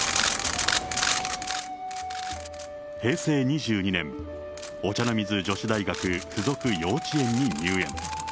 平成２２年、お茶の水女子大学附属幼稚園に入園。